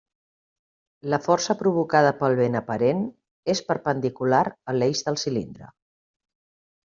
La força provocada pel vent aparent és perpendicular a l'eix del cilindre.